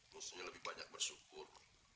mesti lebih banyak bersyukur